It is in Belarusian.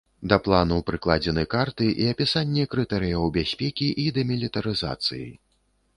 Да плану прыкладзены карты і апісанне крытэрыяў бяспекі і дэмілітарызацыі.